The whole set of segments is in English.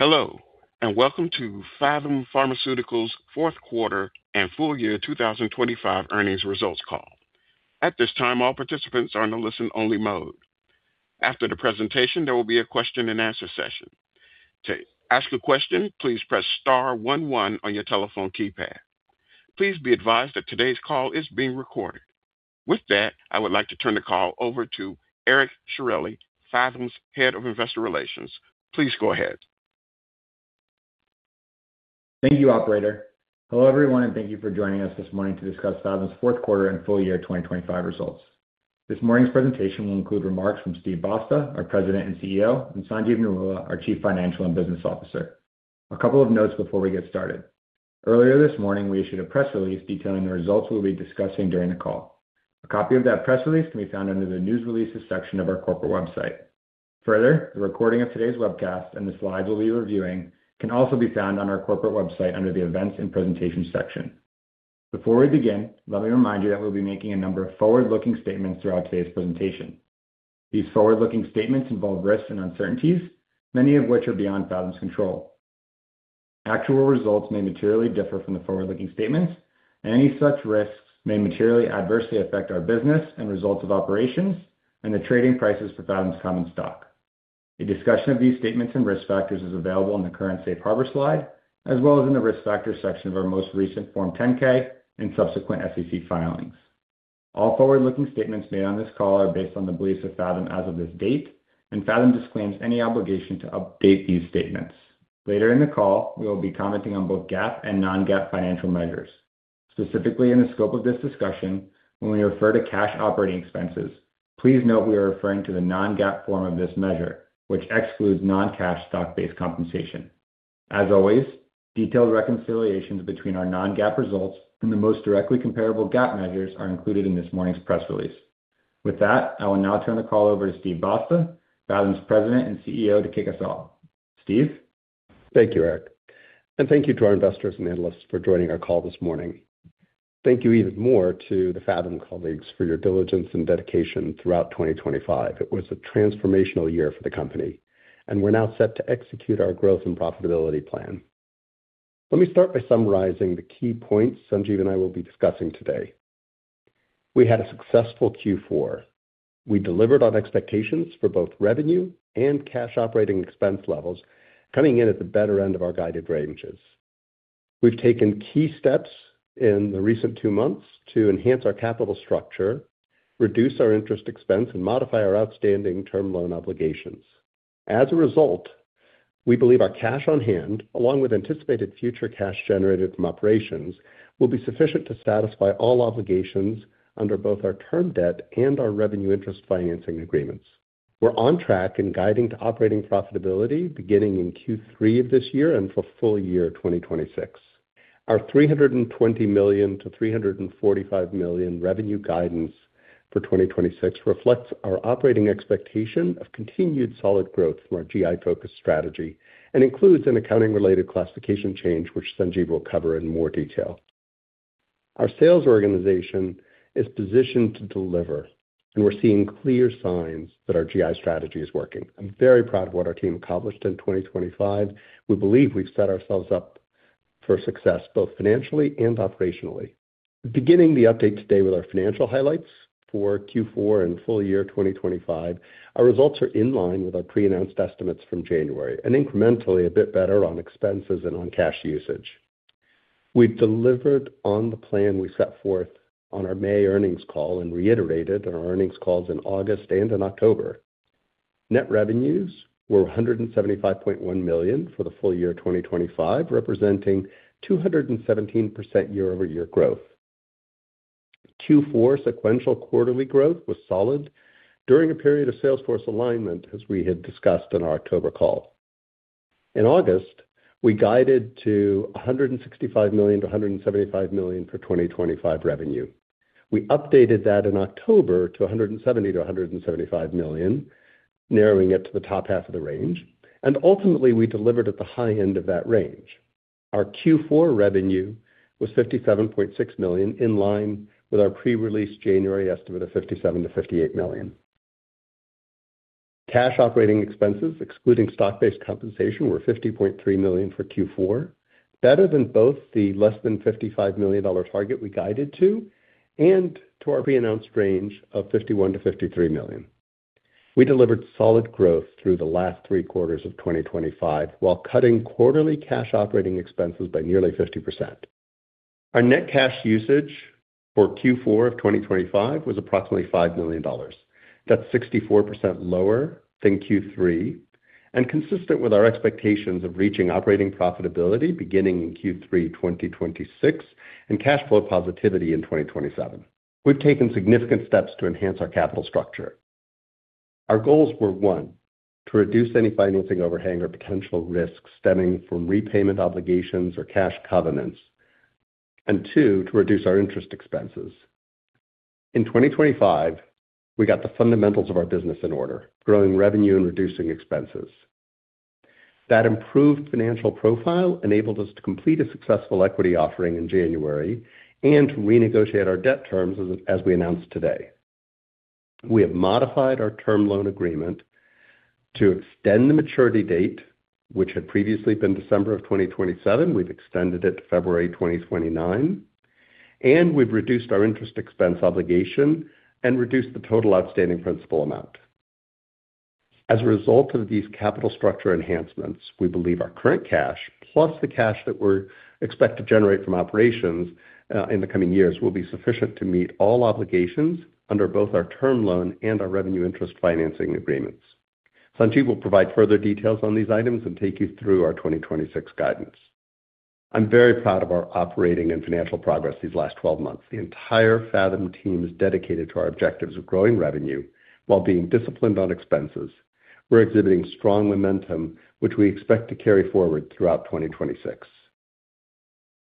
Hello, and welcome to Phathom Pharmaceuticals' fourth quarter and full year 2025 earnings results call. At this time, all participants are in a listen-only mode. After the presentation, there will be a question-and-answer session. To ask a question, please press star one one on your telephone keypad. Please be advised that today's call is being recorded. With that, I would like to turn the call over to Eric Sciorilli, Phathom's Head of Investor Relations. Please go ahead. Thank you, operator. Hello, everyone, and thank you for joining us this morning to discuss Phathom's fourth quarter and full year 2025 results. This morning's presentation will include remarks from Steven Basta, our President and CEO, and Sanjeev Narula, our Chief Financial and Business Officer. A couple of notes before we get started. Earlier this morning, we issued a press release detailing the results we'll be discussing during the call. A copy of that press release can be found under the News Releases section of our corporate website. Further, the recording of today's webcast and the slides we'll be reviewing can also be found on our corporate website under the Events and Presentation section. Before we begin, let me remind you that we'll be making a number of forward-looking statements throughout today's presentation. These forward-looking statements involve risks and uncertainties, many of which are beyond Phathom's control. Actual results may materially differ from the forward-looking statements, and any such risks may materially adversely affect our business and results of operations and the trading prices for Phathom's common stock. A discussion of these statements and risk factors is available in the current safe harbor slide, as well as in the Risk Factors section of our most recent Form 10-K and subsequent SEC filings. All forward-looking statements made on this call are based on the beliefs of Phathom as of this date, and Phathom disclaims any obligation to update these statements. Later in the call, we will be commenting on both GAAP and non-GAAP financial measures. Specifically, in the scope of this discussion, when we refer to cash operating expenses, please note we are referring to the non-GAAP form of this measure, which excludes non-cash stock-based compensation. As always, detailed reconciliations between our non-GAAP results and the most directly comparable GAAP measures are included in this morning's press release. I will now turn the call over to Steve Basta, Phathom's President and CEO, to kick us off. Steve? Thank you, Eric, and thank you to our investors and analysts for joining our call this morning. Thank you even more to the Phathom colleagues for your diligence and dedication throughout 2025. It was a transformational year for the company, and we're now set to execute our growth and profitability plan. Let me start by summarizing the key points Sanjeev and I will be discussing today. We had a successful Q4. We delivered on expectations for both revenue and cash operating expense levels, coming in at the better end of our guided ranges. We've taken key steps in the recent two months to enhance our capital structure, reduce our interest expense, and modify our outstanding term loan obligations. As a result, we believe our cash on hand, along with anticipated future cash generated from operations, will be sufficient to satisfy all obligations under both our term debt and our revenue interest financing agreements. We're on track in guiding to operating profitability beginning in Q3 of this year and for full year 2026. Our $320 million-$345 million revenue guidance for 2026 reflects our operating expectation of continued solid growth from our GI-focused strategy and includes an accounting-related classification change, which Sanjeev will cover in more detail. Our sales organization is positioned to deliver, and we're seeing clear signs that our GI strategy is working. I'm very proud of what our team accomplished in 2025. We believe we've set ourselves up for success both financially and operationally. Beginning the update today with our financial highlights for Q4 and full year 2025, our results are in line with our pre-announced estimates from January and incrementally a bit better on expenses and on cash usage. We've delivered on the plan we set forth on our May earnings call and reiterated on our earnings calls in August and in October. Net revenues were $175.1 million for the full year 2025, representing 217% year-over-year growth. Q4 sequential quarterly growth was solid during a period of sales force alignment, as we had discussed on our October call. In August, we guided to $165 million-$175 million for 2025 revenue. We updated that in October to $170 million-$175 million, narrowing it to the top half of the range, and ultimately, we delivered at the high end of that range. Our Q4 revenue was $57.6 million, in line with our pre-release January estimate of $57 million-$58 million. Cash operating expenses, excluding stock-based compensation, were $50.3 million for Q4, better than both the less than $55 million target we guided to and to our pre-announced range of $51 million-$53 million. We delivered solid growth through the last three quarters of 2025, while cutting quarterly cash operating expenses by nearly 50%. Our net cash usage for Q4 of 2025 was approximately $5 million. That's 64% lower than Q3 and consistent with our expectations of reaching operating profitability beginning in Q3 2026 and cash flow positivity in 2027. We've taken significant steps to enhance our capital structure. Our goals were, one, to reduce any financing overhang or potential risks stemming from repayment obligations or cash covenants, and two, to reduce our interest expenses. In 2025, we got the fundamentals of our business in order, growing revenue and reducing expenses. That improved financial profile enabled us to complete a successful equity offering in January and renegotiate our debt terms as we announced today. We have modified our term loan agreement to extend the maturity date, which had previously been December 2027. We've extended it to February 2029, and we've reduced our interest expense obligation and reduced the total outstanding principal amount. As a result of these capital structure enhancements, we believe our current cash, plus the cash that we're expect to generate from operations, in the coming years, will be sufficient to meet all obligations under both our term loan and our revenue interest financing agreements. Sanjeev will provide further details on these items and take you through our 2026 guidance. I'm very proud of our operating and financial progress these last 12 months. The entire Phathom team is dedicated to our objectives of growing revenue while being disciplined on expenses. We're exhibiting strong momentum, which we expect to carry forward throughout 2026.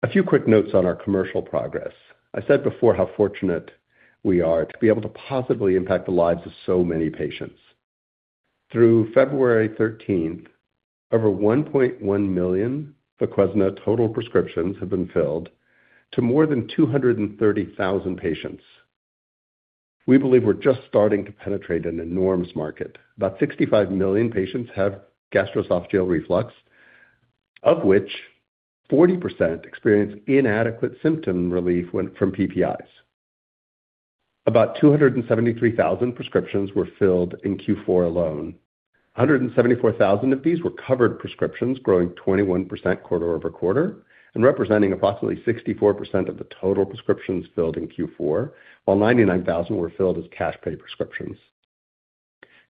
A few quick notes on our commercial progress. I said before, how fortunate we are to be able to positively impact the lives of so many patients. Through February 13th, over 1.1 million VOQUEZNA total prescriptions have been filled to more than 230,000 patients. We believe we're just starting to penetrate an enormous market. About 65 million patients have gastroesophageal reflux, of which 40% experience inadequate symptom relief from PPIs. About 273,000 prescriptions were filled in Q4 alone. 174,000 of these were covered prescriptions, growing 21% quarter-over-quarter and representing approximately 64% of the total prescriptions filled in Q4, while 99,000 were filled as cash paid prescriptions.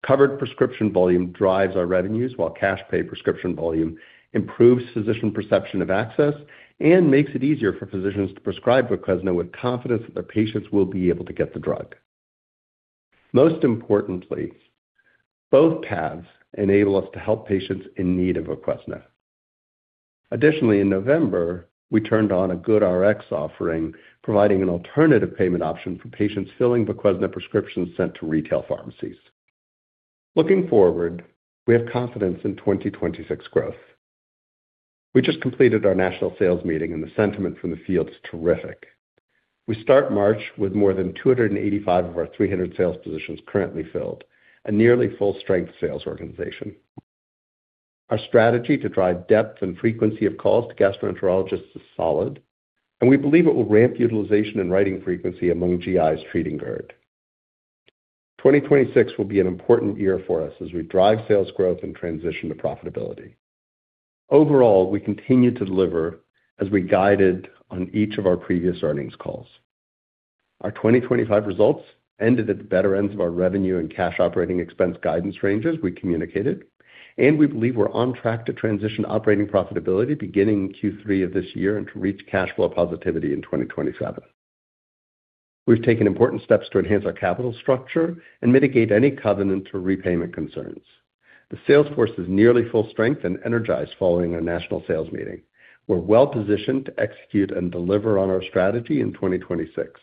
Covered prescription volume drives our revenues, while cash paid prescription volume improves physician perception of access and makes it easier for physicians to prescribe VOQUEZNA with confidence that their patients will be able to get the drug. Most importantly, both paths enable us to help patients in need of VOQUEZNA. Additionally, in November, we turned on a GoodRx offering, providing an alternative payment option for patients filling VOQUEZNA prescriptions sent to retail pharmacies. Looking forward, we have confidence in 2026 growth. We just completed our National Sales Meeting, and the sentiment from the field is terrific. We start March with more than 285 of our 300 sales positions currently filled, a nearly full-strength sales organization. Our strategy to drive depth and frequency of calls to gastroenterologists is solid, and we believe it will ramp utilization and writing frequency among GIs treating GERD. 2026 will be an important year for us as we drive sales growth and transition to profitability. Overall, we continue to deliver as we guided on each of our previous earnings calls. Our 2025 results ended at the better ends of our revenue and cash operating expense guidance ranges we communicated. We believe we're on track to transition operating profitability beginning in Q3 of this year and to reach cash flow positivity in 2027. We've taken important steps to enhance our capital structure and mitigate any covenant or repayment concerns. The sales force is nearly full strength and energized following our National Sales Meeting. We're well-positioned to execute and deliver on our strategy in 2026.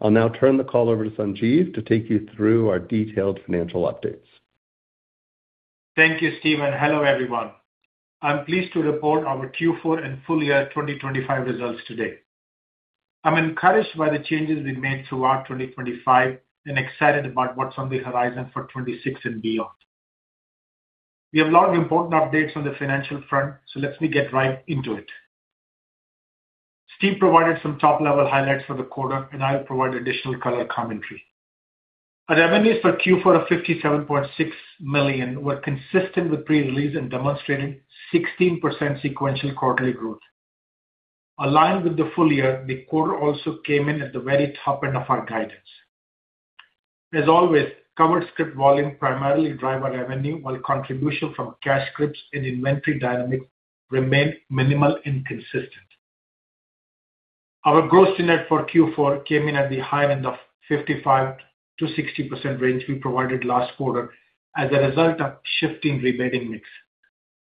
I'll now turn the call over to Sanjeev to take you through our detailed financial updates. Thank you, Steve, and hello, everyone. I'm pleased to report our Q4 and full year 2025 results today. I'm encouraged by the changes we made throughout 2025 and excited about what's on the horizon for 2026 and beyond. We have a lot of important updates on the financial front, so let me get right into it. Steve provided some top-level highlights for the quarter, and I'll provide additional color commentary. Our revenues for Q4 of $57.6 million were consistent with pre-release and demonstrating 16% sequential quarterly growth. Aligned with the full year, the quarter also came in at the very top end of our guidance. As always, covered script volume primarily drive our revenue, while contribution from cash scripts and inventory dynamic remained minimal inconsistent. Our gross to net for Q4 came in at the high end of 55%-60% range we provided last quarter as a result of shifting rebating mix.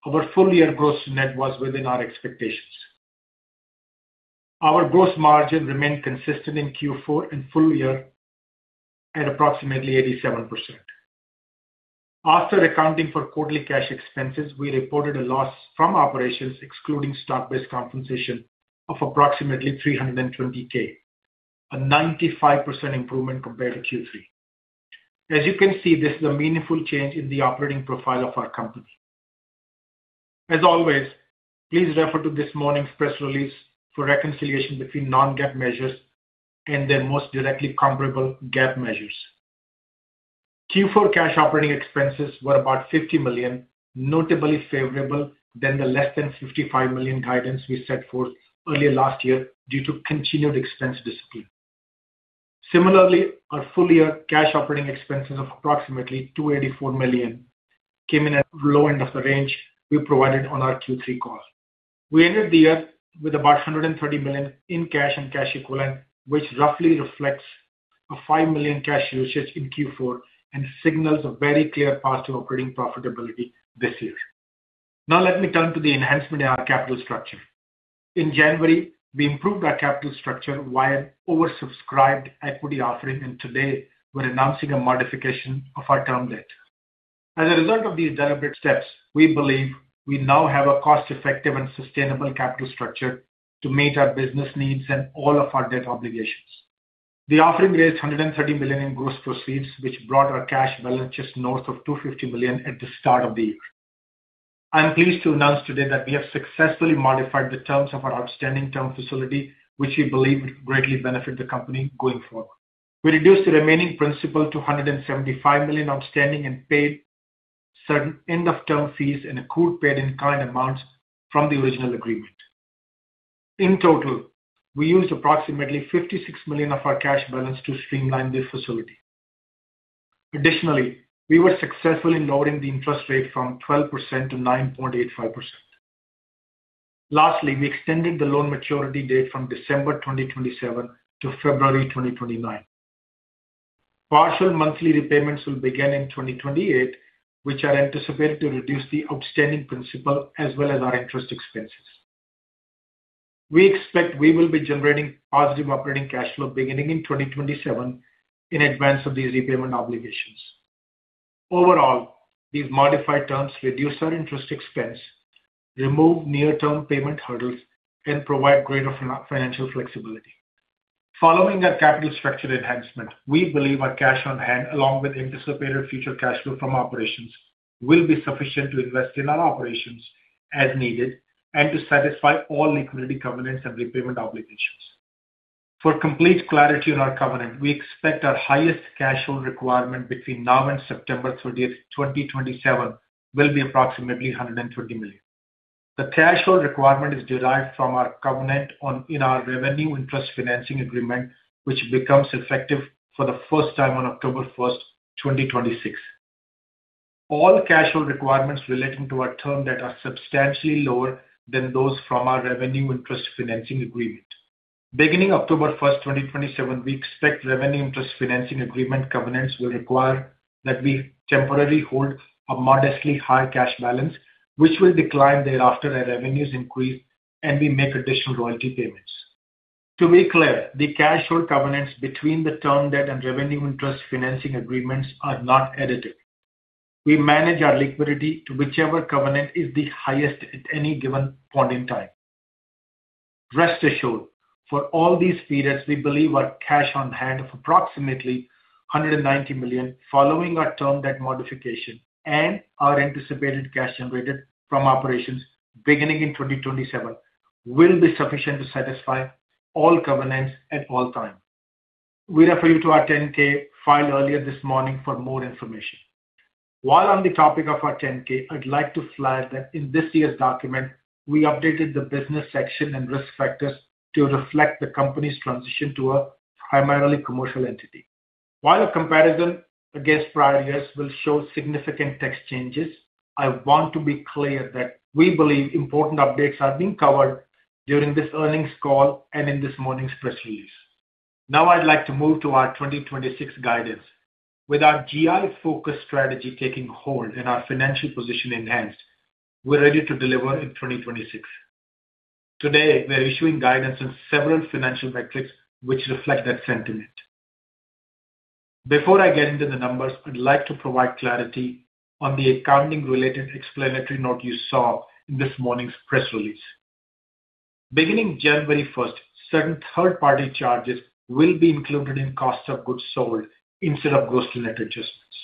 Our full-year gross net was within our expectations. Our gross margin remained consistent in Q4 and full year at approximately 87%. After accounting for quarterly cash expenses, we reported a loss from operations excluding stock-based compensation, of approximately $320,000, a 95% improvement compared to Q3. As you can see, this is a meaningful change in the operating profile of our company. As always, please refer to this morning's press release for reconciliation between non-GAAP measures and their most directly comparable GAAP measures. Q4 cash operating expenses were about $50 million, notably favorable than the less than $55 million guidance we set forth earlier last year due to continued expense discipline. Similarly, our full-year cash operating expenses of approximately $284 million came in at low end of the range we provided on our Q3 call. We ended the year with about $130 million in cash and cash equivalent, which roughly reflects a $5 million cash usage in Q4 and signals a very clear path to operating profitability this year. Let me turn to the enhancement in our capital structure. In January, we improved our capital structure via oversubscribed equity offering, and today we're announcing a modification of our term debt. As a result of these deliberate steps, we believe we now have a cost-effective and sustainable capital structure to meet our business needs and all of our debt obligations. The offering raised $130 million in gross proceeds, which brought our cash balance just north of $250 million at the start of the year. I'm pleased to announce today that we have successfully modified the terms of our outstanding term facility, which we believe would greatly benefit the company going forward. We reduced the remaining principal to $175 million outstanding and paid certain end-of-term fees and accrued paid in kind amounts from the original agreement. In total, we used approximately $56 million of our cash balance to streamline this facility. Additionally, we were successfully lowering the interest rate from 12%-9.85%. Lastly, we extended the loan maturity date from December 2027 to February 2029. Partial monthly repayments will begin in 2028, which are anticipated to reduce the outstanding principal as well as our interest expenses. We expect we will be generating positive operating cash flow beginning in 2027 in advance of these repayment obligations. Overall, these modified terms reduce our interest expense, remove near-term payment hurdles, and provide greater financial flexibility. Following our capital structure enhancement, we believe our cash on hand, along with anticipated future cash flow from operations, will be sufficient to invest in our operations as needed and to satisfy all liquidity covenants and repayment obligations. For complete clarity on our covenant, we expect our highest cash flow requirement between now and September 30, 2027, will be approximately $130 million. The cash flow requirement is derived from our covenant in our revenue interest financing agreement, which becomes effective for the first time on October 1, 2026. All cash flow requirements relating to our term that are substantially lower than those from our revenue interest financing agreement. Beginning October 1, 2027, we expect revenue interest financing agreement covenants will require that we temporarily hold a modestly high cash balance, which will decline thereafter as revenues increase and we make additional royalty payments. To be clear, the cash flow covenants between the term debt and revenue interest financing agreements are not additive. We manage our liquidity to whichever covenant is the highest at any given point in time. Rest assured, for all these periods, we believe our cash on hand of approximately $190 million following our term debt modification and our anticipated cash generated from operations beginning in 2027, will be sufficient to satisfy all covenants at all times. We refer you to our 10-K filed earlier this morning for more information. While on the topic of our 10-K, I'd like to flag that in this year's document, we updated the Business section and Risk Factors to reflect the company's transition to a primarily commercial entity. While a comparison against prior years will show significant tax changes, I want to be clear that we believe important updates are being covered during this earnings call and in this morning's press release. I'd like to move to our 2026 guidance. With our GI-focused strategy taking hold and our financial position enhanced, we're ready to deliver in 2026. Today, we are issuing guidance on several financial metrics, which reflect that sentiment. Before I get into the numbers, I'd like to provide clarity on the accounting-related explanatory note you saw in this morning's press release. Beginning January 1st, certain third-party charges will be included in cost of goods sold instead of gross-to-net adjustments.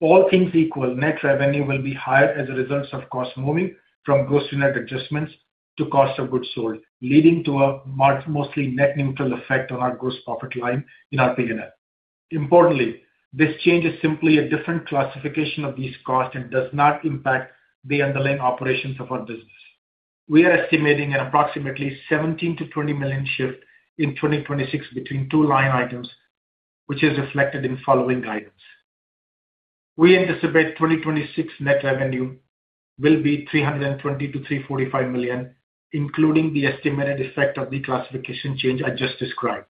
All things equal, net revenue will be higher as a result of costs moving from gross to net adjustments to cost of goods sold, leading to a mostly net neutral effect on our gross profit line in our P&L. Importantly, this change is simply a different classification of these costs and does not impact the underlying operations of our business. We are estimating an approximately $17 million-$20 million shift in 2026 between two line items, which is reflected in following guidance. We anticipate 2026 net revenue will be $320 million-$345 million, including the estimated effect of the classification change I just described.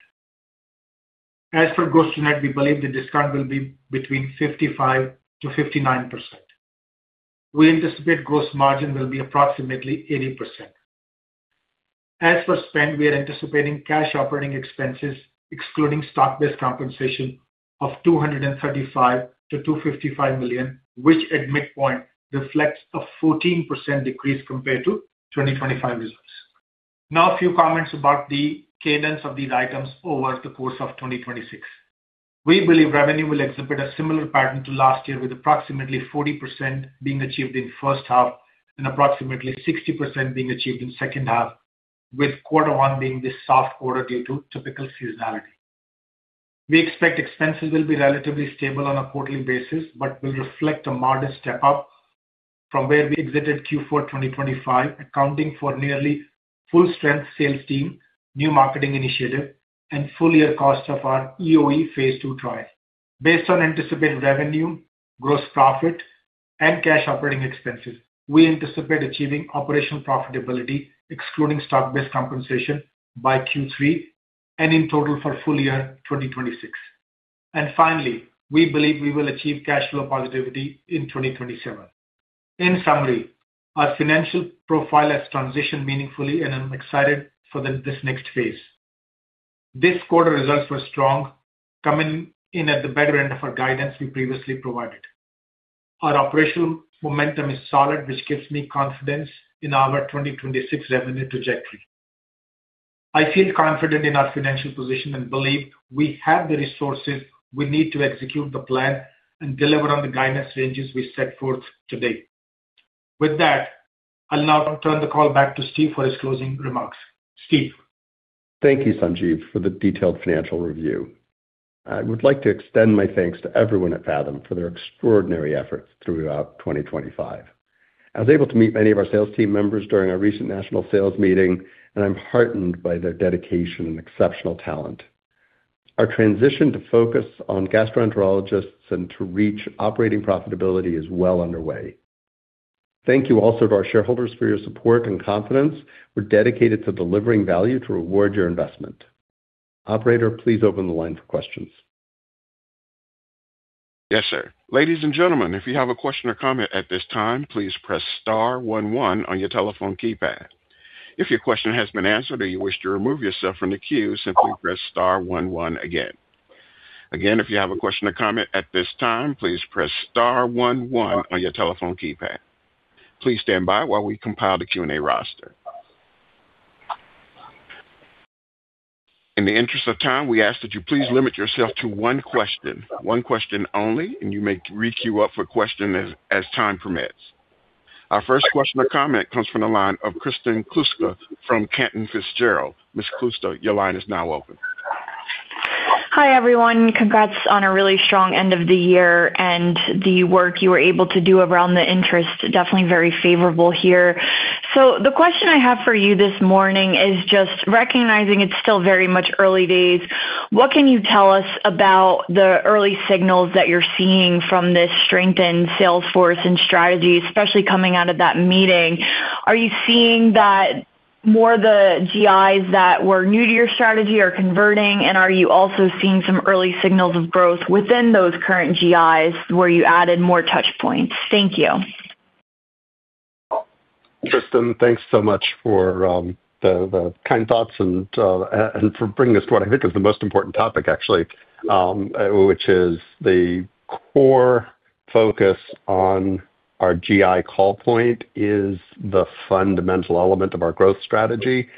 As for gross net, we believe the discount will be between 55%-59%. We anticipate gross margin will be approximately 80%. As for spend, we are anticipating cash operating expenses, excluding stock-based compensation, of $235 million-$255 million, which at midpoint reflects a 14% decrease compared to 2025 results. Now, a few comments about the cadence of these items over the course of 2026. We believe revenue will exhibit a similar pattern to last year, with approximately 40% being achieved in the first half and approximately 60% being achieved in the second half, with quarter one being the soft quarter due to typical seasonality. We expect expenses will be relatively stable on a quarterly basis, but will reflect a modest step-up from where we exited Q4 2025, accounting for nearly full-strength sales team, new marketing initiative, and full-year cost of our EoE phase II trial. Based on anticipated revenue, gross profit, and cash operating expenses, we anticipate achieving operational profitability, excluding stock-based compensation, by Q3 and in total for full year 2026. Finally, we believe we will achieve cash flow positivity in 2027. In summary, our financial profile has transitioned meaningfully, and I'm excited for this next phase. This quarter results were strong, coming in at the better end of our guidance we previously provided. Our operational momentum is solid, which gives me confidence in our 2026 revenue trajectory. I feel confident in our financial position and believe we have the resources we need to execute the plan and deliver on the guidance ranges we set forth today. With that, I'll now turn the call back to Steve for his closing remarks. Steve? Thank you, Sanjeev, for the detailed financial review. I would like to extend my thanks to everyone at Phathom for their extraordinary efforts throughout 2025. I was able to meet many of our sales team members during our recent National Sales Meeting, and I'm heartened by their dedication and exceptional talent. Our transition to focus on gastroenterologists and to reach operating profitability is well underway. Thank you also to our shareholders for your support and confidence. We're dedicated to delivering value to reward your investment. Operator, please open the line for questions. Yes, sir. Ladies and gentlemen, if you have a question or comment at this time, please press star one one on your telephone keypad. If your question has been answered or you wish to remove yourself from the queue, simply press star one one again. Again, if you have a question or comment at this time, please press star one one on your telephone keypad. Please stand by while we compile the Q&A roster. In the interest of time, we ask that you please limit yourself to one question, one question only, and you may requeue up for question as time permits. Our first question or comment comes from the line of Kristen Kluska from Cantor Fitzgerald. Ms. Kluska, your line is now open. Hi, everyone. Congrats on a really strong end of the year and the work you were able to do around the interest. Definitely very favorable here. The question I have for you this morning is just recognizing it's still very much early days. What can you tell us about the early signals that you're seeing from this strengthened sales force and strategy, especially coming out of that Meeting? Are you seeing that more of the GIs that were new to your strategy are converting? Are you also seeing some early signals of growth within those current GIs where you added more touch points? Thank you. Kristen, thanks so much for the kind thoughts and for bringing this to what I think is the most important topic actually, which is the core focus on our GI call point is the fundamental element of our growth strategy.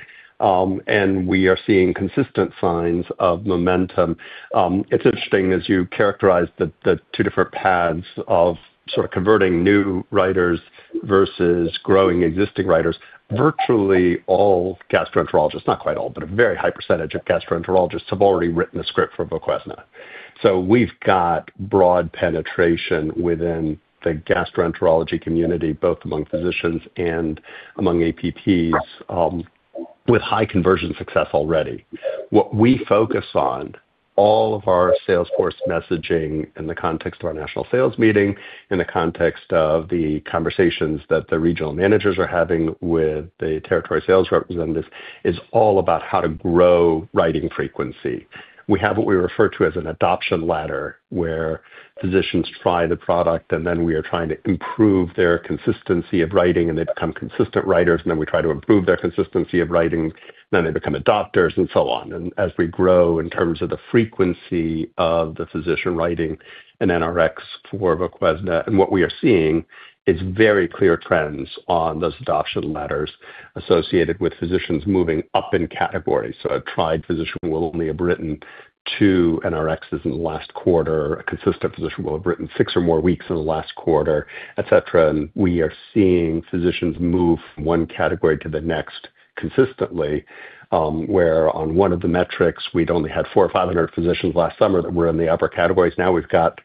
We are seeing consistent signs of momentum. It's interesting as you characterize the two different paths of sort of converting new writers versus growing existing writers. Virtually all gastroenterologists, not quite all, but a very high percentage of gastroenterologists have already written a script for VOQUEZNA. We've got broad penetration within the gastroenterology community, both among physicians and among APPs, with high conversion success already. What we focus on, all of our sales force messaging in the context of our National Sales Meeting, in the context of the conversations that the regional managers are having with the territory sales representatives, is all about how to grow writing frequency. We have what we refer to as an adoption ladder, where physicians try the product, we are trying to improve their consistency of writing, they become consistent writers, we try to improve their consistency of writing, they become adopters, and so on. As we grow in terms of the frequency of the physician writing an NRx for VOQUEZNA, what we are seeing is very clear trends on those adoption ladders associated with physicians moving up in categories. A tried physician will only have written 2 NRx in the last quarter. A consistent physician will have written six or more weeks in the last quarter, et cetera. We are seeing physicians move one category to the next consistently, where on one of the metrics, we'd only had 400 or 500 physicians last summer that were in the upper categories. Now we've got,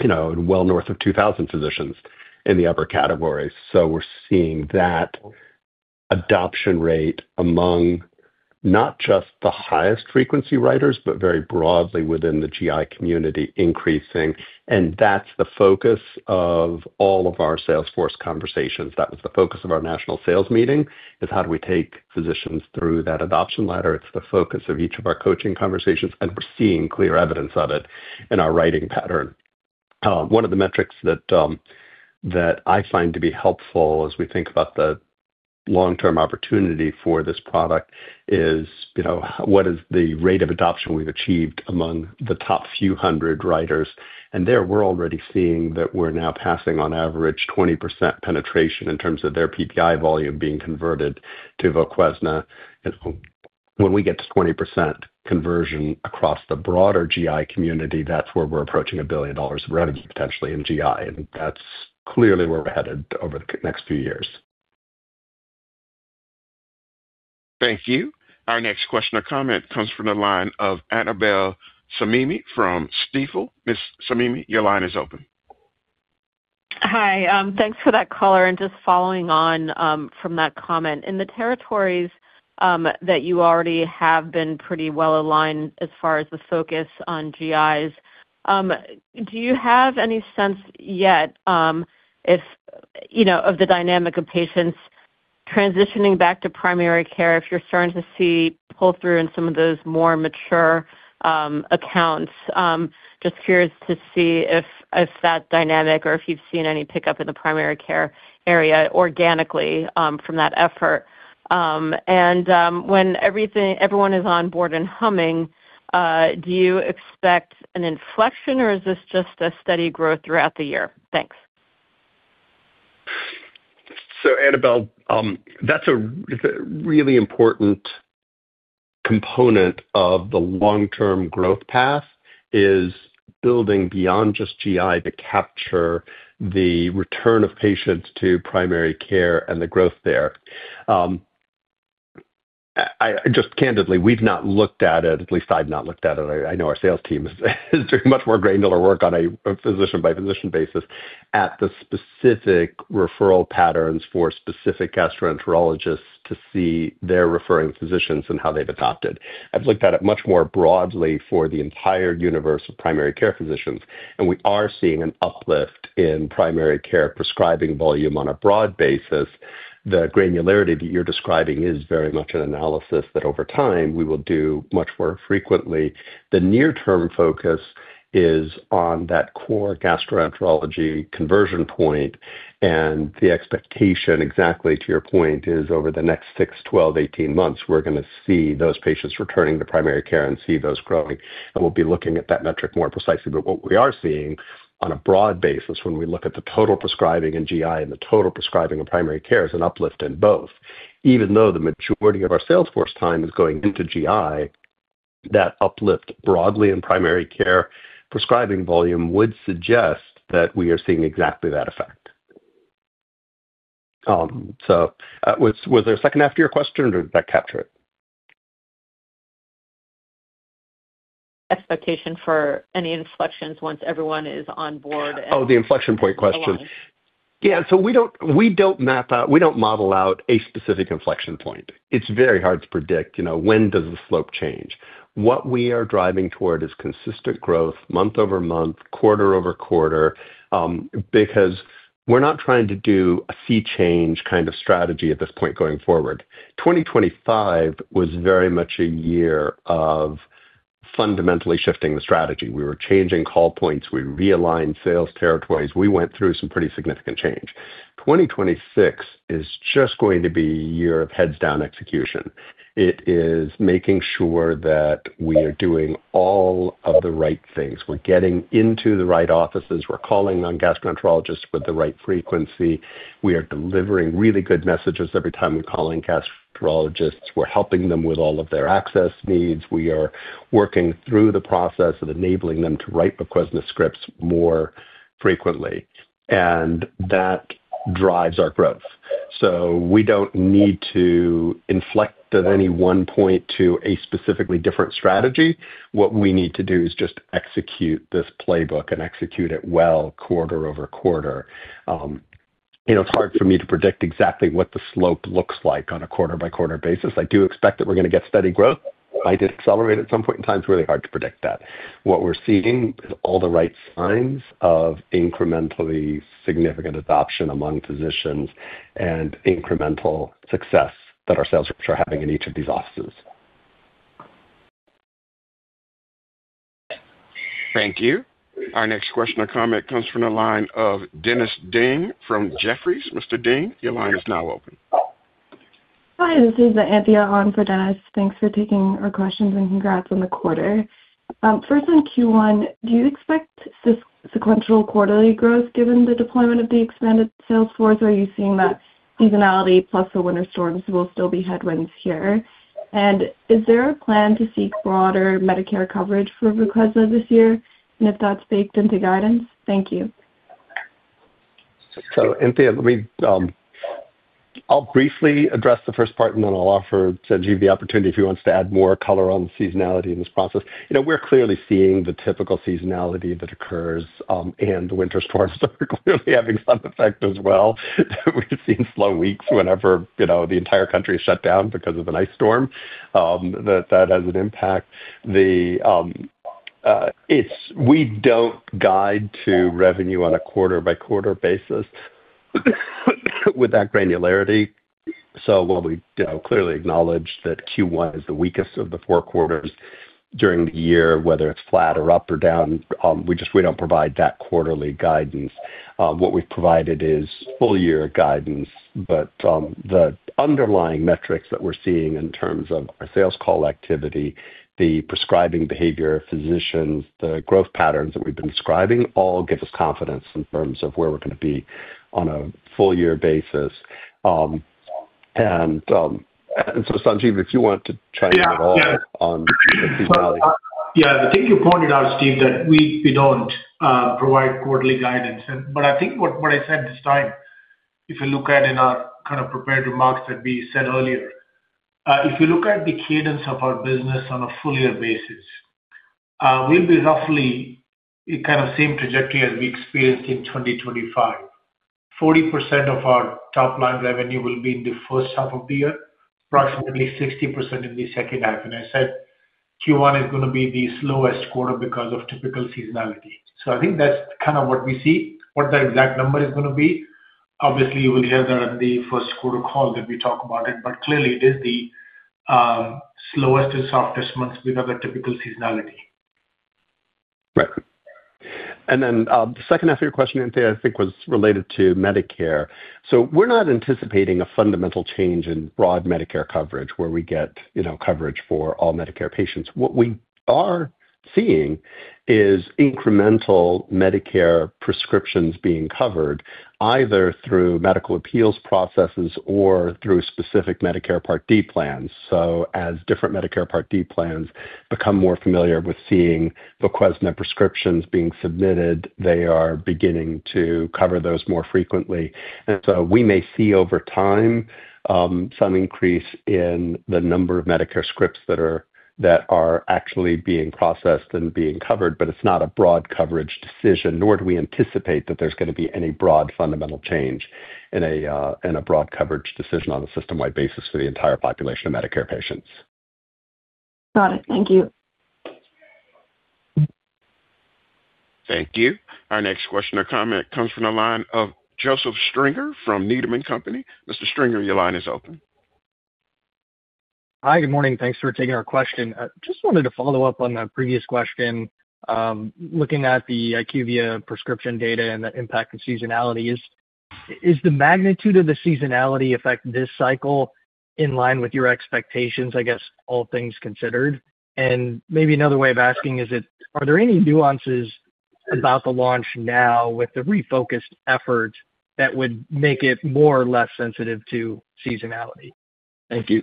you know, well north of 2,000 physicians in the upper categories. We're seeing that adoption rate among not just the highest frequency writers, but very broadly within the GI community, increasing. That's the focus of all of our sales force conversations. That was the focus of our National Sales Meeting, is how do we take physicians through that adoption ladder? It's the focus of each of our coaching conversations, and we're seeing clear evidence of it in our writing pattern. One of the metrics that I find to be helpful as we think about the long-term opportunity for this product is, you know, what is the rate of adoption we've achieved among the top few hundred writers? There, we're already seeing that we're now passing on average 20% penetration in terms of their PPI volume being converted to VOQUEZNA. When we get to 20% conversion across the broader GI community, that's where we're approaching $1 billion of revenue, potentially in GI, and that's clearly where we're headed over the next few years. Thank you. Our next question or comment comes from the line of Annabel Samimy from Stifel. Ms. Samimy, your line is open. Hi. Thanks for that color. Just following on from that comment. In the territories that you already have been pretty well aligned as far as the focus on GIs, do you have any sense yet, if you know, of the dynamic of patients?... Transitioning back to primary care, if you're starting to see pull-through in some of those more mature accounts, just curious to see if that's dynamic or if you've seen any pickup in the primary care area organically from that effort. When everyone is on board and humming, do you expect an inflection, or is this just a steady growth throughout the year? Thanks. Annabel, that's a, it's a really important component of the long-term growth path, is building beyond just GI to capture the return of patients to primary care and the growth there. I just candidly, we've not looked at it. At least I've not looked at it. I know our sales team is doing much more granular work on a physician-by-physician basis at the specific referral patterns for specific gastroenterologists to see their referring physicians and how they've adopted. I've looked at it much more broadly for the entire universe of primary care physicians, and we are seeing an uplift in primary care prescribing volume on a broad basis. The granularity that you're describing is very much an analysis that over time, we will do much more frequently. The near-term focus is on that core gastroenterology conversion point, and the expectation, exactly to your point, is over the next six, 12, 18 months, we're going to see those patients returning to primary care and see those growing. We'll be looking at that metric more precisely. What we are seeing on a broad basis when we look at the total prescribing in GI and the total prescribing of primary care, is an uplift in both. Even though the majority of our sales force time is going into GI, that uplift broadly in primary care prescribing volume would suggest that we are seeing exactly that effect. Was there a second half to your question, or did that capture it? Expectation for any inflections once everyone is on board? Oh, the inflection point question. Along. We don't model out a specific inflection point. It's very hard to predict, you know, when does the slope change? What we are driving toward is consistent growth, month-over-month, quarter-over-quarter, because we're not trying to do a sea change kind of strategy at this point going forward. 2025 was very much a year of fundamentally shifting the strategy. We were changing call points. We realigned sales territories. We went through some pretty significant change. 2026 is just going to be a year of heads down execution. It is making sure that we are doing all of the right things. We're getting into the right offices. We're calling on gastroenterologists with the right frequency. We are delivering really good messages every time we call in gastroenterologists. We're helping them with all of their access needs. We are working through the process of enabling them to write because of the scripts more frequently, and that drives our growth. We don't need to inflect at any one point to a specifically different strategy. What we need to do is just execute this playbook and execute it well quarter-over-quarter. you know, it's hard for me to predict exactly what the slope looks like on a quarter-by-quarter basis. I do expect that we're going to get steady growth. It might accelerate at some point in time. It's really hard to predict that. What we're seeing is all the right signs of incrementally significant adoption among physicians and incremental success that our sales reps are having in each of these offices. Thank you. Our next question or comment comes from the line of Dennis Ding from Jefferies. Mr. Ding, your line is now open. Hi, this is Anthea on for Dennis. Thanks for taking our questions, and congrats on the quarter. First on Q1, do you expect this sequential quarterly growth given the deployment of the expanded sales force, or are you seeing that seasonality plus the winter storms will still be headwinds here? Is there a plan to seek broader Medicare coverage for VOQUEZNA this year, and if that's baked into guidance? Thank you. Anthea, let me I'll briefly address the first part, and then I'll offer Sanjeev the opportunity if he wants to add more color on the seasonality in this process. You know, we're clearly seeing the typical seasonality that occurs, and the winter storms are clearly having some effect as well. We've seen slow weeks whenever, you know, the entire country is shut down because of an ice storm, that has an impact. The we don't guide to revenue on a quarter-by-quarter basis with that granularity. While we, you know, clearly acknowledge that Q1 is the weakest of the four quarters during the year, whether it's flat or up or down, we just, we don't provide that quarterly guidance. What we've provided is full year guidance, but the underlying metrics that we're seeing in terms of our sales call activity, the prescribing behavior of physicians, the growth patterns that we've been describing, all give us confidence in terms of where we're going to be on a full year basis. Sanjeev, if you want to chime in at all. Yeah. On the seasonality. Yeah, I think you pointed out, Steve, that we don't provide quarterly guidance. But I think what I said this time, if you look at in our kind of prepared remarks that we said earlier, if you look at the cadence of our business on a full year basis, we'll be roughly kind of same trajectory as we experienced in 2025. 40% of our top line revenue will be in the first half of the year, approximately 60% in the second half. I said. Q1 is going to be the slowest quarter because of typical seasonality. I think that's kind of what we see. What the exact number is going to be, obviously, you will hear that in the first quarter call that we talk about it, clearly it is the slowest and softest months because of the typical seasonality. Right. The second half of your question, Anthea, I think was related to Medicare. We're not anticipating a fundamental change in broad Medicare coverage where we get, you know, coverage for all Medicare patients. What we are seeing is incremental Medicare prescriptions being covered, either through medical appeals processes or through specific Medicare Part D plans. As different Medicare Part D plans become more familiar with seeing the VOQUEZNA prescriptions being submitted, they are beginning to cover those more frequently. We may see over time, some increase in the number of Medicare scripts that are actually being processed and being covered. It's not a broad coverage decision, nor do we anticipate that there's going to be any broad fundamental change in a in a broad coverage decision on a system-wide basis for the entire population of Medicare patients. Got it. Thank you. Thank you. Our next question or comment comes from the line of Joseph Stringer from Needham and Company. Mr. Stringer, your line is open. Hi, good morning. Thanks for taking our question. just wanted to follow up on the previous question. looking at the IQVIA prescription data and the impact of seasonality, is the magnitude of the seasonality effect this cycle in line with your expectations? I guess all things considered, and maybe another way of asking, are there any nuances about the launch now with the refocused effort that would make it more or less sensitive to seasonality? Thank you.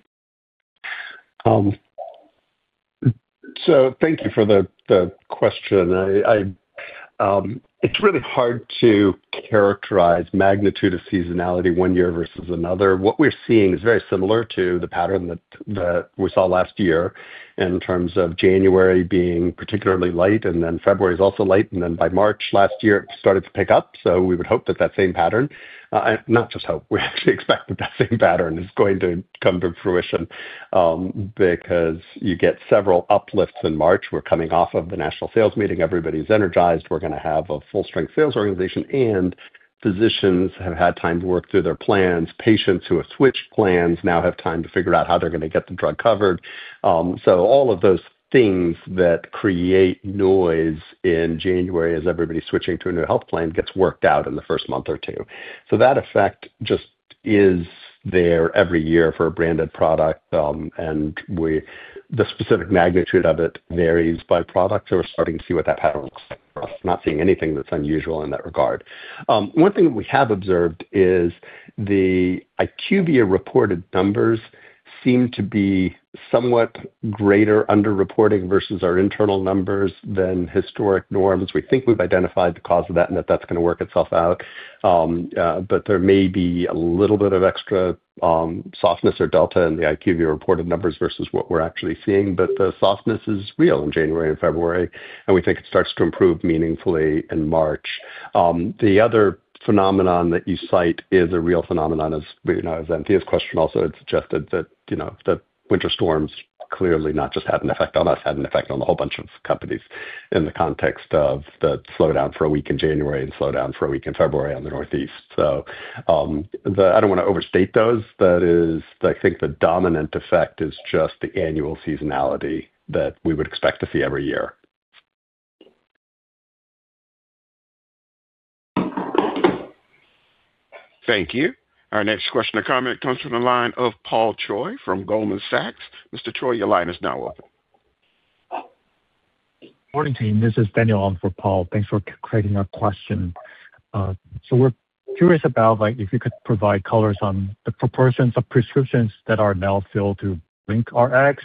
Thank you for the question. It's really hard to characterize magnitude of seasonality one year versus another. What we're seeing is very similar to the pattern that we saw last year in terms of January being particularly light. February is also light. By March last year, it started to pick up. We would hope that that same pattern, not just hope, we actually expect that that same pattern is going to come to fruition because you get several uplifts in March. We're coming off of the National Sales Meeting. Everybody's energized. We're going to have a full-strength sales organization. Physicians have had time to work through their plans. Patients who have switched plans now have time to figure out how they're going to get the drug covered. All of those things that create noise in January, as everybody's switching to a new health plan, gets worked out in the first month or two. That effect just is there every year for a branded product. The specific magnitude of it varies by product. We're starting to see what that pattern looks like for us, not seeing anything that's unusual in that regard. One thing that we have observed is the IQVIA reported numbers seem to be somewhat greater underreporting versus our internal numbers than historic norms. We think we've identified the cause of that and that that's going to work itself out. There may be a little bit of extra, softness or delta in the IQVIA reported numbers versus what we're actually seeing. The softness is real in January and February, and we think it starts to improve meaningfully in March. The other phenomenon that you cite is a real phenomenon, as, you know, as Anthea's question also had suggested that, you know, that winter storms clearly not just had an effect on us, had an effect on a whole bunch of companies in the context of the slowdown for a week in January and slowdown for a week in February on the Northeast. I don't want to overstate those. That is, I think the dominant effect is just the annual seasonality that we would expect to see every year. Thank you. Our next question or comment comes from the line of Paul Choi from Goldman Sachs. Mr. Choi, your line is now open. Morning, team. This is Daniel on for Paul. Thanks for taking our question. We're curious about, like, if you could provide colors on the proportions of prescriptions that are now filled through BlinkRx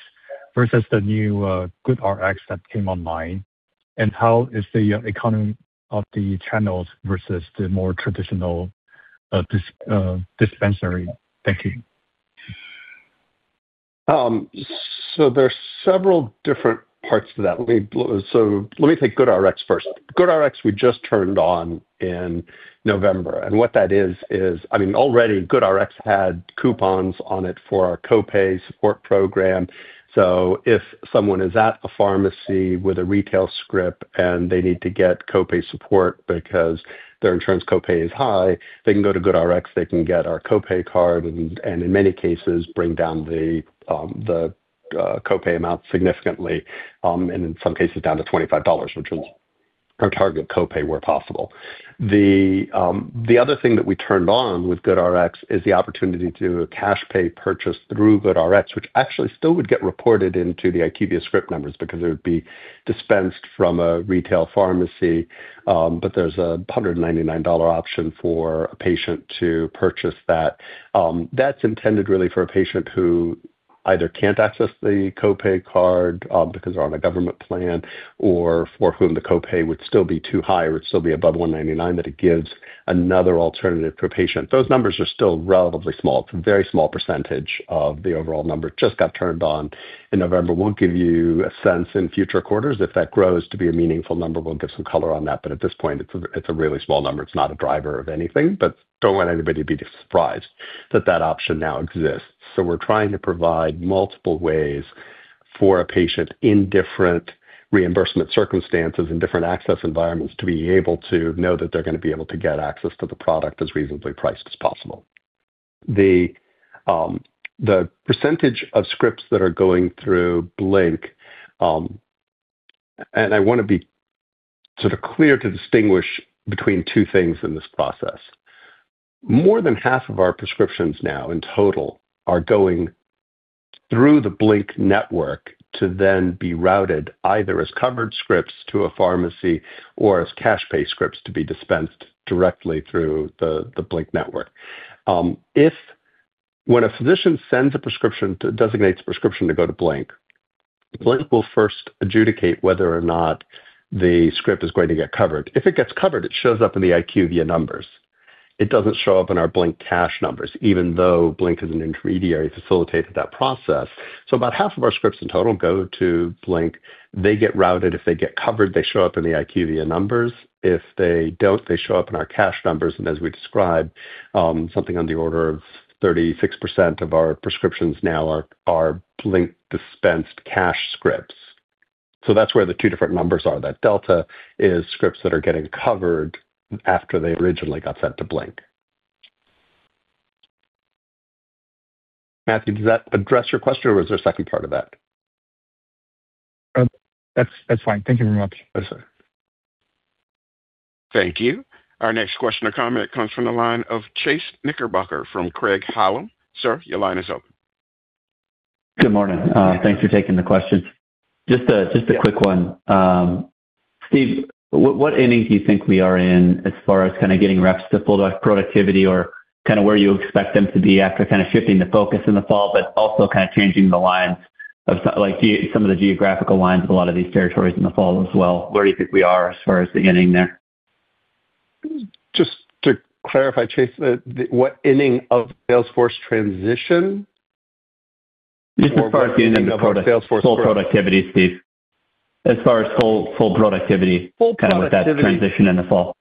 versus the new GoodRx that came online, and how is the economy of the channels versus the more traditional dispensary? Thank you. There are several different parts to that. Let me take GoodRx first. GoodRx, we just turned on in November, and what that is, I mean, already GoodRx had coupons on it for our copay support program. If someone is at a pharmacy with a retail script and they need to get copay support because their insurance copay is high, they can go to GoodRx, they can get our copay card, and in many cases, bring down the copay amount significantly, and in some cases down to $25, which is our target copay where possible. The other thing that we turned on with GoodRx is the opportunity to do a cash pay purchase through GoodRx, which actually still would get reported into the IQVIA script numbers because it would be dispensed from a retail pharmacy. There's a $199 option for a patient to purchase that. That's intended really for a patient who either can't access the copay card because they're on a government plan or for whom the copay would still be too high or it's still be above $199, that it gives another alternative for a patient. Those numbers are still relatively small. It's a very small percentage of the overall number. Just got turned on in November. We'll give you a sense in future quarters. If that grows to be a meaningful number, we'll give some color on that, at this point, it's a really small number. It's not a driver of anything, don't want anybody to be surprised that that option now exists. We're trying to provide multiple ways-... For a patient in different reimbursement circumstances, in different access environments, to be able to know that they're going to be able to get access to the product as reasonably priced as possible. The percentage of scripts that are going through BlinkRx, I want to be sort of clear to distinguish between two things in this process. More than half of our prescriptions now, in total, are going through the BlinkRx network to then be routed either as covered scripts to a pharmacy or as cash pay scripts to be dispensed directly through the BlinkRx network. If when a physician sends a prescription, designates a prescription to go to BlinkRx will first adjudicate whether or not the script is going to get covered. If it gets covered, it shows up in the IQVIA numbers. It doesn't show up in our BlinkRx cash numbers, even though BlinkRx is an intermediary, facilitated that process. About half of our scripts in total go to BlinkRx. They get routed. If they get covered, they show up in the IQVIA numbers. If they don't, they show up in our cash numbers. As we described, something on the order of 36% of our prescriptions now are BlinkRx dispensed cash scripts. That's where the two different numbers are. That delta is scripts that are getting covered after they originally got sent to BlinkRx. Daniel, does that address your question, or was there a second part of that? That's fine. Thank you very much. Yes, sir. Thank you. Our next question or comment comes from the line of Chase Knickerbocker from Craig-Hallum. Sir, your line is open. Good morning. Thanks for taking the questions. Just a quick one. Steve, what inning do you think we are in as far as kind of getting reps to full productivity or kind of where you expect them to be after kind of shifting the focus in the fall, but also kind of changing the lines of like some of the geographical lines, a lot of these territories in the fall as well? Where do you think we are as far as the inning there? Just to clarify, Chase, the, what inning of sales force transition? Just as far as the inning of full productivity, Steve. As far as full productivity. Full productivity. With that transition in the fall.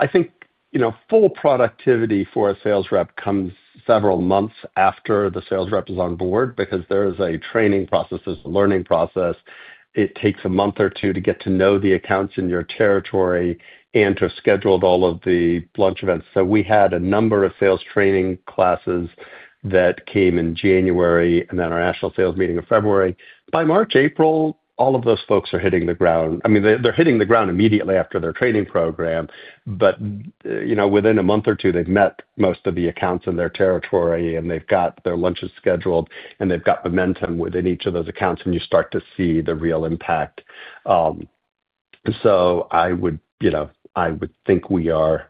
I think, you know, full productivity for a sales rep comes several months after the sales rep is on board because there is a training process, there's a learning process. It takes a month or two to get to know the accounts in your territory and to have scheduled all of the lunch events. We had a number of sales training classes that came in January and then our National Sales Meeting in February. By March, April, all of those folks are hitting the ground. I mean, they're hitting the ground immediately after their training program, but, you know, within a month or two, they've met most of the accounts in their territory, and they've got their lunches scheduled, and they've got momentum within each of those accounts, and you start to see the real impact. I would, you know, I would think we are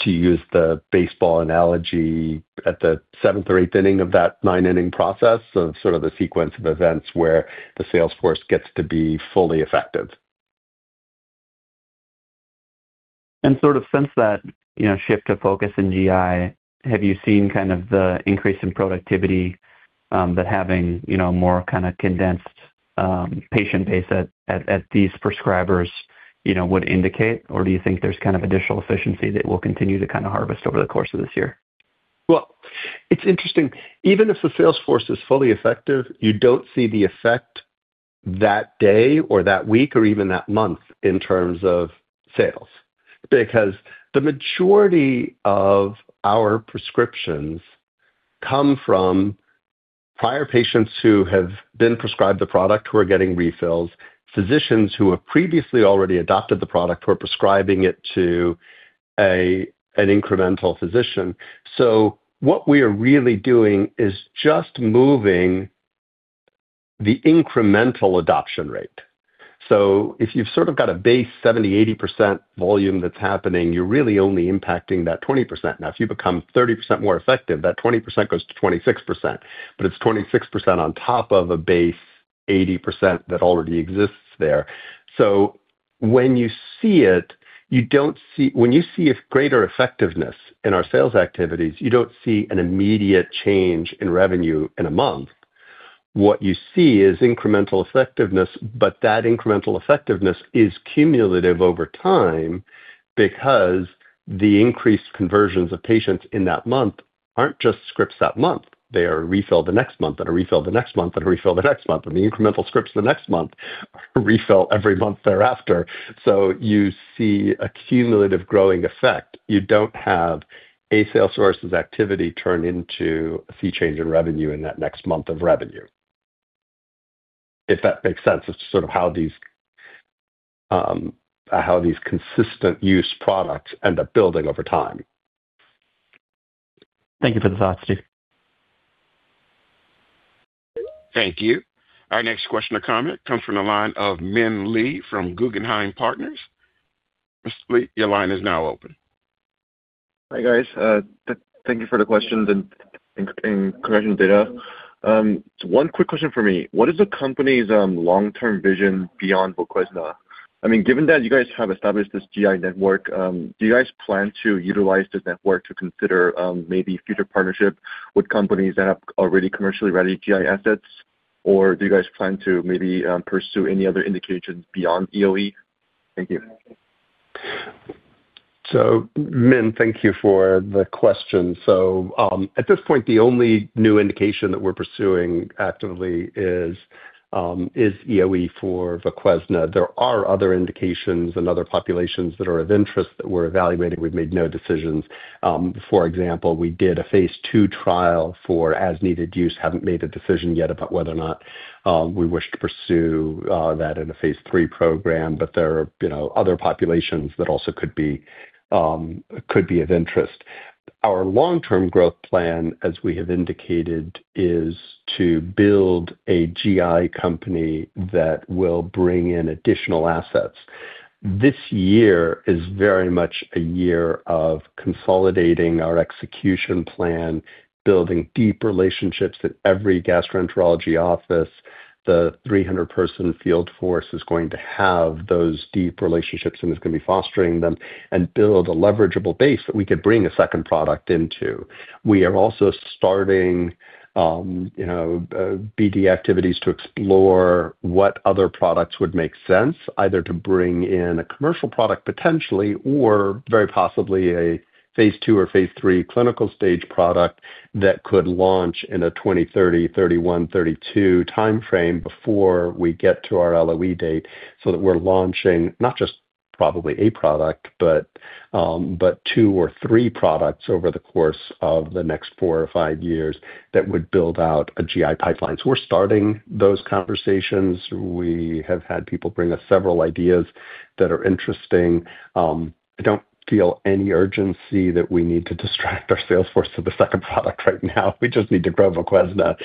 to use the baseball analogy, at the 7th or 8th inning of that 9-inning process of sort of the sequence of events where the sales force gets to be fully effective. Sort of since that, you know, shift of focus in GI, have you seen kind of the increase in productivity, that having, you know, more kind of condensed, patient base at these prescribers, you know, would indicate? Or do you think there's kind of additional efficiency that we'll continue to kind of harvest over the course of this year? It's interesting. Even if the sales force is fully effective, you don't see the effect that day or that week or even that month in terms of sales, because the majority of our prescriptions come from prior patients who have been prescribed the product, who are getting refills. Physicians who have previously already adopted the product, who are prescribing it to an incremental physician. What we are really doing is just moving the incremental adoption rate. If you've sort of got a base 70%, 80% volume that's happening, you're really only impacting that 20%. If you become 30% more effective, that 20% goes to 26%, but it's 26% on top of a base 80% that already exists there. When you see it, when you see a greater effectiveness in our sales activities, you don't see an immediate change in revenue in a month. What you see is incremental effectiveness, but that incremental effectiveness is cumulative over time because the increased conversions of patients in that month aren't just scripts that month. They are refilled the next month, and refilled the next month, and refilled the next month, and the incremental scripts the next month are refilled every month thereafter. You see a cumulative growing effect. You don't have a sales force's activity turned into a fee change in revenue in that next month of revenue. If that makes sense, it's sort of how these consistent use products end up building over time. Thank you for the thoughts, Steve. Thank you. Our next question or comment comes from the line of Min Lee from Guggenheim Partners. Mr. Lee, your line is now open. Hi, guys. Thank you for the question and correction data. One quick question for me. What is the company's long-term vision beyond VOQUEZNA? I mean, given that you guys have established this GI network, do you guys plan to utilize the network to consider maybe future partnership with companies that have already commercially ready GI assets? Do you guys plan to maybe pursue any other indications beyond EoE? Thank you. Min, thank you for the question. At this point, the only new indication that we're pursuing actively is EoE for VOQUEZNA. There are other indications and other populations that are of interest that we're evaluating. We've made no decisions. For example, we did a phase II trial for PHALCON-NERD as-needed use. Haven't made a decision yet about whether or not we wish to pursue that in a phase III program, but there are, you know, other populations that also could be of interest. Our long-term growth plan, as we have indicated, is to build a GI company that will bring in additional assets. This year is very much a year of consolidating our execution plan, building deep relationships at every gastroenterology office. The 300-person field force is going to have those deep relationships, and it's going to be fostering them and build a leverageable base that we could bring a second product into. We are also starting, you know, BD activities to explore what other products would make sense, either to bring in a commercial product potentially, or very possibly a phase II or phase III clinical stage product that could launch in a 2030, 2031, 2032 timeframe before we get to our LOE date, so that we're launching not just probably a product, but two or three products over the course of the next four or five years that would build out a GI pipeline. We're starting those conversations. We have had people bring us several ideas that are interesting. I don't feel any urgency that we need to distract our sales force to the second product right now. We just need to grow VOQUEZNA.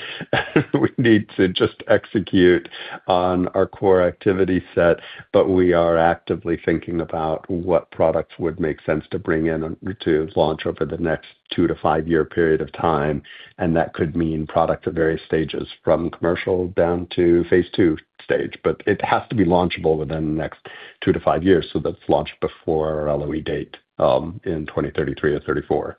We need to just execute on our core activity set. We are actively thinking about what products would make sense to bring in to launch over the next two to five-year period of time, and that could mean products at various stages from commercial down to phase II stage. It has to be launchable within the next two to five years, so that's launched before our LOE date in 2033 or 2034.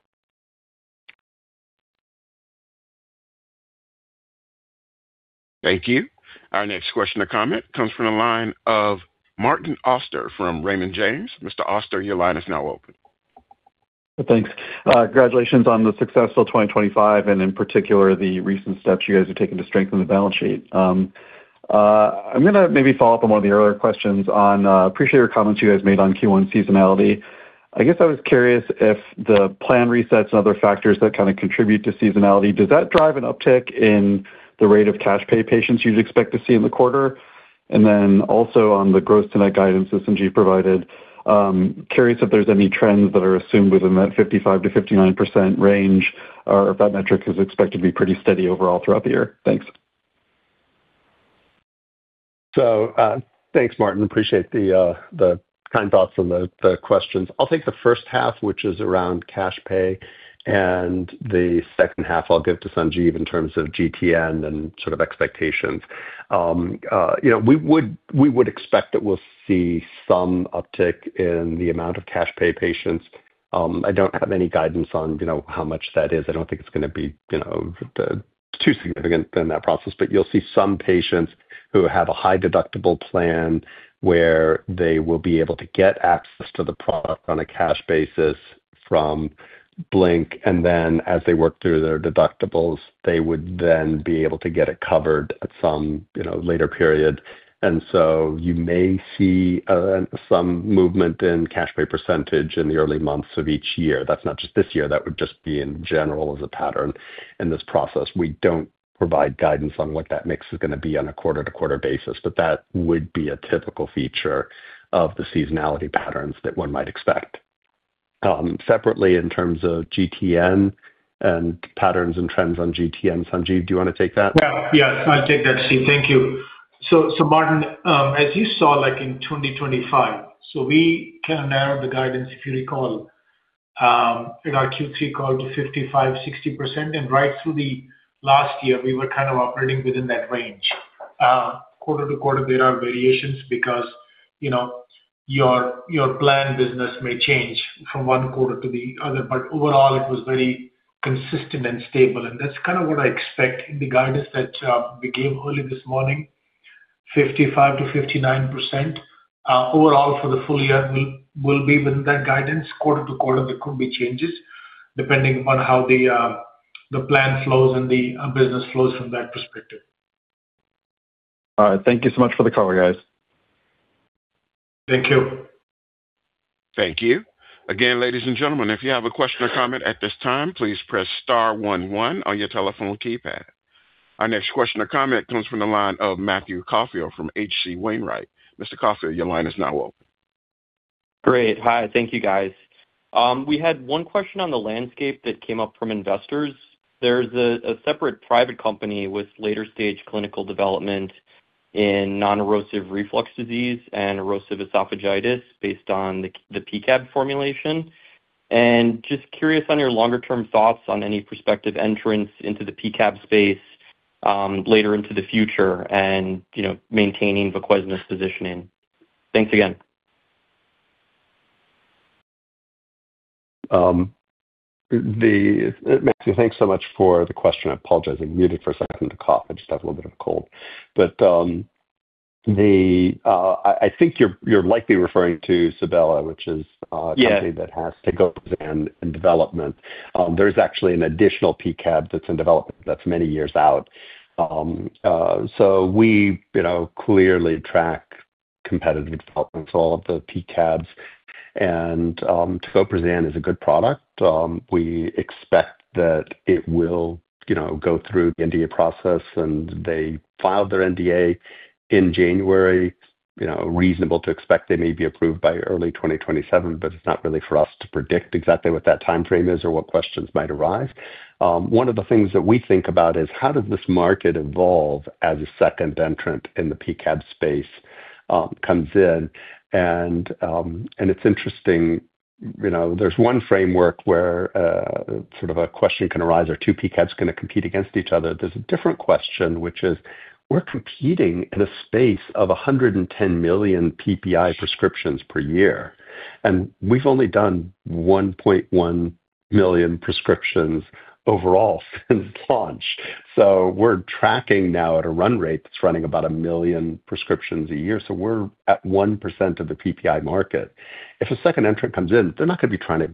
Thank you. Our next question or comment comes from the line of Martin Auster from Raymond James. Mr. Auster, your line is now open. Thanks. Congratulations on the successful 2025 and in particular, the recent steps you guys have taken to strengthen the balance sheet. I'm going to maybe follow up on one of the earlier questions on, appreciate your comments you guys made on Q1 seasonality. I guess I was curious if the plan resets and other factors that kind of contribute to seasonality, does that drive an uptick in the rate of cash pay patients you'd expect to see in the quarter? Then also on the gross-to-net guidance Sanjeev provided, curious if there's any trends that are assumed within that 55%-59% range, or if that metric is expected to be pretty steady overall throughout the year. Thanks. Thanks, Martin. Appreciate the kind thoughts and the questions. I'll take the first half, which is around cash pay, and the second half I'll give to Sanjeev in terms of GTN and sort of expectations. You know, we would expect that we'll see some uptick in the amount of cash pay patients. I don't have any guidance on, you know, how much that is. I don't think it's going to be, you know, too significant in that process. You'll see some patients who have a high deductible plan where they will be able to get access to the product on a cash basis from BlinkRx, and then as they work through their deductibles, they would then be able to get it covered at some, you know, later period. You may see some movement in cash pay percentaqge in the early months of each year. That's not just this year, that would just be in general as a pattern in this process. We don't provide guidance on what that mix is going to be on a quarter-to-quarter basis, but that would be a typical feature of the seasonality patterns that one might expect. Separately, in terms of GTN and patterns and trends on GTN, Sanjeev, do you want to take that? Well, yes, I'll take that, Steve. Thank you. Martin, as you saw, like in 2025, we kind of narrowed the guidance, if you recall, in our Q3 call to 55%-60%, and right through the last year, we were kind of operating within that range. Quarter to quarter, there are variations because, you know, your plan business may change from one quarter to the other, but overall, it was very consistent and stable, and that's kind of what I expect in the guidance that we gave early this morning. 55%-59% overall for the full year will be within that guidance. Quarter to quarter, there could be changes depending on how the plan flows and the business flows from that perspective. All right. Thank you so much for the color, guys. Thank you. Thank you. Again, ladies and gentlemen, if you have a question or comment at this time, please press star one one on your telephone keypad. Our next question or comment comes from the line of Matthew Caufield from H.C. Wainwright. Mr. Caufield, your line is now open. Great. Hi, thank you, guys. We had one question on the landscape that came up from investors. There's a separate private company with later-stage clinical development in Non-Erosive Reflux Disease and Erosive Esophagitis based on the PCAB formulation. Just curious on your longer-term thoughts on any prospective entrants into the PCAB space later into the future and, you know, maintaining VOQUEZNA's positioning. Thanks again. Matthew, thanks so much for the question. I apologize. I muted for a second to cough. I just have a little bit of a cold. I think you're likely referring to Sebela, which is. Yeah. A company that has Tegoprazan in development. There's actually an additional PCAB that's in development that's many years out. We, you know, clearly track competitive developments, all of the PCABs. Tegoprazan is a good product. We expect that it will, you know, go through the NDA process, and they filed their NDA in January. You know, reasonable to expect they may be approved by early 2027, but it's not really for us to predict exactly what that timeframe is or what questions might arise. One of the things that we think about is: how does this market evolve as a second entrant in the PCAB space comes in? It's interesting, you know, there's one framework where sort of a question can arise, are two PCABs gonna compete against each other? There's a different question, which is we're competing in a space of 110 million PPI prescriptions per year, and we've only done 1.1 million prescriptions overall since launch. We're tracking now at a run rate that's running about 1 million prescriptions a year, so we're at 1% of the PPI market. If a second entrant comes in, they're not gonna be trying to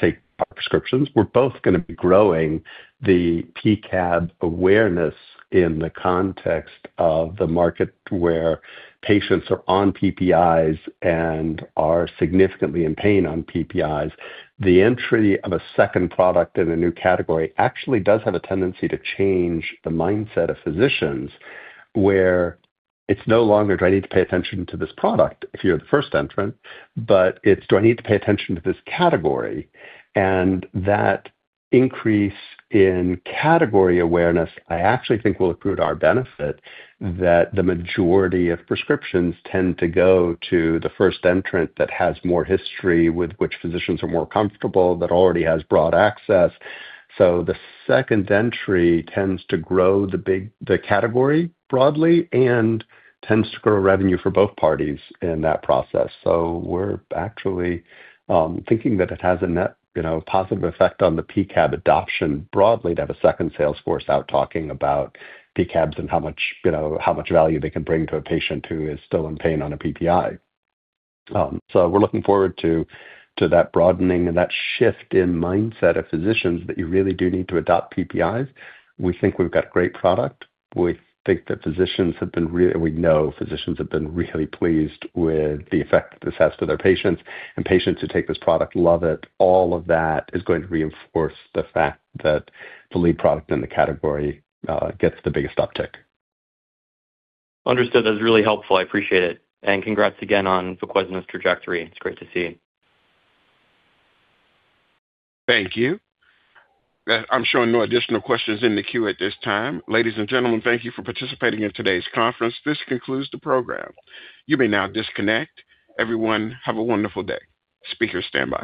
take our prescriptions. We're both gonna be growing the PCAB awareness in the context of the market, where patients are on PPIs and are significantly in pain on PPIs. The entry of a second product in a new category actually does have a tendency to change the mindset of physicians, where it's no longer, "Do I need to pay attention to this product?" If you're the first entrant, but it's, "Do I need to pay attention to this category?" That increase in category awareness, I actually think, will accrue to our benefit, that the majority of prescriptions tend to go to the first entrant that has more history, with which physicians are more comfortable, that already has broad access. The second entry tends to grow the category broadly and tends to grow revenue for both parties in that process. We're actually, thinking that it has a net, you know, positive effect on the PCAB adoption broadly, to have a second sales force out talking about PCABs and how much, you know, how much value they can bring to a patient who is still in pain on a PPI. We're looking forward to that broadening and that shift in mindset of physicians that you really do need to adopt PPIs. We think we've got great product. We think that physicians have been really pleased with the effect this has to their patients, and patients who take this product love it. All of that is going to reinforce the fact that the lead product in the category, gets the biggest uptick. Understood. That's really helpful. I appreciate it, and congrats again on VOQUEZNA's trajectory. It's great to see. Thank you. I'm showing no additional questions in the queue at this time. Ladies and gentlemen, thank you for participating in today's conference. This concludes the program. You may now disconnect. Everyone, have a wonderful day. Speakers stand by.